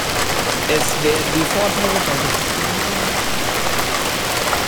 Es werden die Vorteile beider Systeme miteinander vereint.